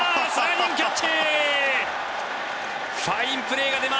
キャッチ！